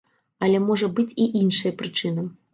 Але можа быць і іншая прычына.